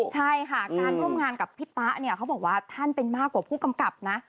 ใช่ค่ะการร่วมงานกับพี่ตะเนี่ยเขาบอกว่าท่านเป็นมากกว่าผู้กำกับนะ